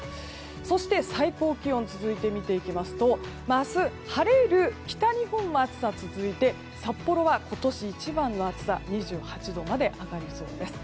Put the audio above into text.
そして最高気温続いて見ていきますと明日、晴れる北日本は暑さが続いて札幌は今年一番の暑さ２８度まで上がりそうです。